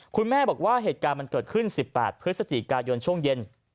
คุณแม่บอกว่าเหตุการณ์มันเกิดขึ้น๑๘พฤศจิกายนช่วงเย็น